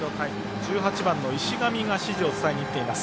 １８番の石神が指示を伝えにいっています。